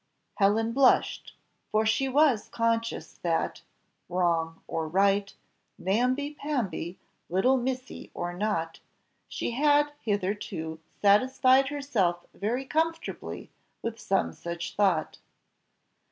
'" Helen blushed, for she was conscious that, wrong or right, namby pamby, little missy, or not, she had hitherto satisfied herself very comfortably with some such thought.